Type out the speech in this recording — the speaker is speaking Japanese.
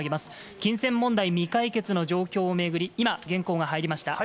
金銭問題未解決の問題を巡り、今原稿が入りました。